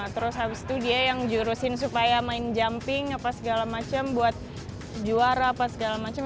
terus habis itu dia yang jurusin supaya main jumping apa segala macam buat juara apa segala macem